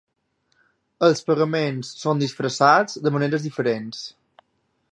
Els pagaments són disfressats de maneres diferents.